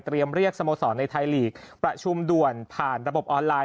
เรียกสโมสรในไทยลีกประชุมด่วนผ่านระบบออนไลน